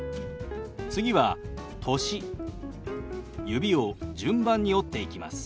指を順番に折っていきます。